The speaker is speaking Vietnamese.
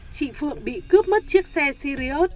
chị phượng bị cướp mất chiếc xe sirius